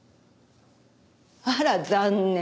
あら残念。